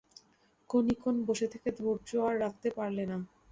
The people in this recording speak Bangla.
খানিকক্ষণ বসে থেকে ধৈর্য আর রাখতে পারলে না।